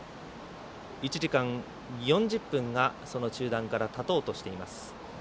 １時間４０分がその中断からたとうとしています。